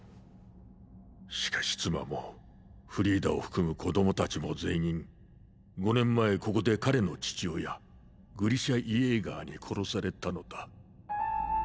しかし妻もフリーダを含む子供たちも全員５年前ここで彼の父親グリシャ・イェーガーに殺されたのだ。